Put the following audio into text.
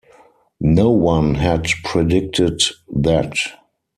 No one had predicted that.